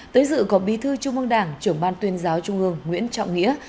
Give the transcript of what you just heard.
tới dự có bí thư trung ương đảng trưởng ban tuyên giáo trung ương nguyễn trọng nghĩa